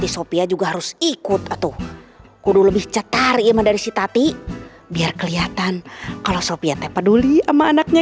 sampai jumpa di video selanjutnya